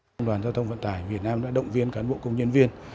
công đoàn giao thông vận tải việt nam đã động viên cán bộ công nhân viên